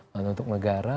bantu untuk negara